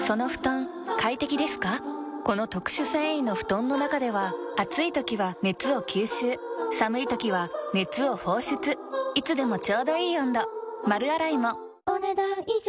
この特殊繊維の布団の中では暑い時は熱を吸収寒い時は熱を放出いつでもちょうどいい温度丸洗いもお、ねだん以上。